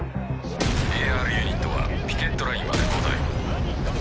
ＡＲユニットはピケットラインまで後退。